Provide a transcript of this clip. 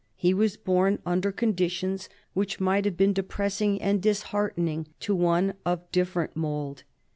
He was born under conditions which might have been depressing and disheartening to one of different mould.